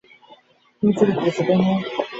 যামিনীর কথায় তাহার একেবারেই রাগ হয় না।